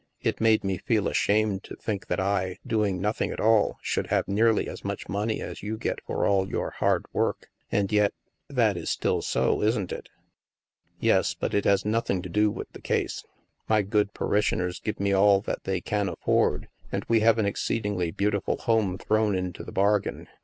It made me feel ashamed to think that I, doing nothing at all, should have nearly as much money as you get for all your hard work. And yet — that is still so, isn't it?" "Yes, but it has nothing to do with the case. My good parishioners give me all that they can afford, and we have an exceedingly beautiful home thrown into the bargain.